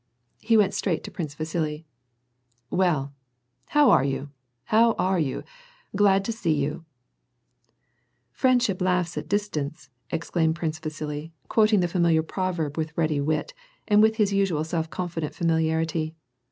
'^ He went straight to Prince Vasili :" Well, how aiv you, how are you ? Glad to see you !"*• Friendship laughs at distance," * exclaimed Prince Vasili, quoting the familiar proverb with ready wit, and with his uisual self confident familiarity.